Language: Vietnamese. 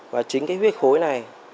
và chính cái huyết khối này